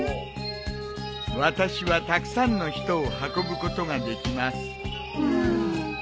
私はたくさんの人を運ぶことができます。